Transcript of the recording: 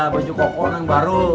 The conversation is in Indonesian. baju koko yang baru